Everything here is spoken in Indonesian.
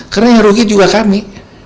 karena yang rugi juga kami